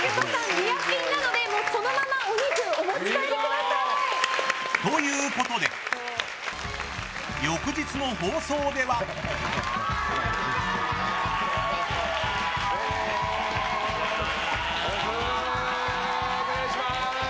ニアピンなのでそのままお肉お持ち帰りください。ということで翌日の放送では。お願いします。